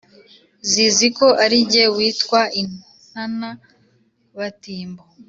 zizi ko ari jye witwa intana-batimbo